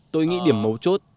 tôi nghĩ điểm mấu chốt